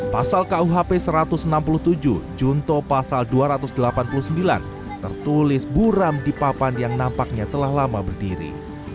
pasal kuhp satu ratus enam puluh tujuh junto pasal dua ratus delapan puluh sembilan tertulis buram di papan yang nampaknya telah lama berdiri